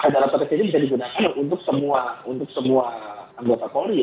dalam konteks ini bisa digunakan untuk semua anggota polri